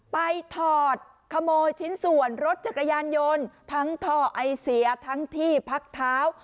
ถอดขโมยชิ้นส่วนรถจักรยานยนต์ทั้งท่อไอเสียทั้งที่พักเท้า